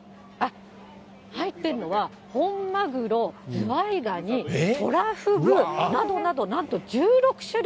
入っているのは、本マグロ、ズワイガニ、トラフグなどなど、なんと１６種類。